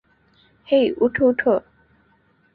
হেই, উঠো, উঠো!